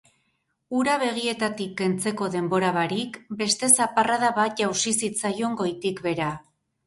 Ura begietatik kentzeko denbora barik, beste zaparrada bat jausi zitzaion goitik behera.